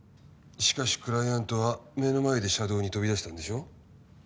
しかしクライアントは目の前で車道に飛び出したんでしょう？